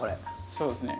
そうですね。